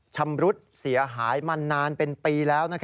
ชำรุดเสียหายมานานเป็นปีแล้ว